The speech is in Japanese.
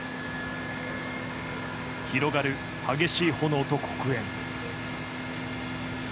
広がる激しい炎と黒煙。